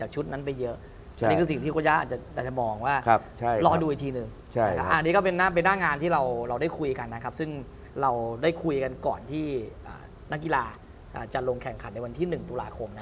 ซึ่งเราได้คุยกันก่อนที่นักกีฬาจะลงแข่งขันในวันที่๑ตุลาคม